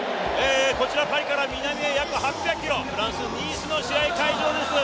こちらパリから南へ約８００キロ、フランス・ニースの試合会場です。